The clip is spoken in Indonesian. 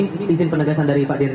ini izin penegasan dari pak denn